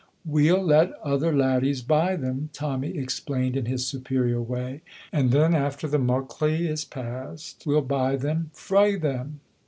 "We'll let other laddies buy them," Tommy explained in his superior way, "and then after the Muckley is past, we'll buy them frae them."